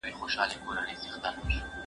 هري ښځي ته روپۍ یې وې منلي